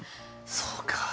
そうか。